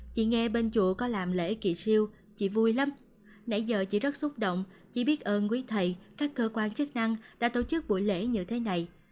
chị nghe bên chùa có làm lễ kỳ siêu chị vui lắm nãy giờ chị rất xúc động chỉ biết ơn quý thầy các cơ quan chức năng đã tổ chức buổi lễ như thế này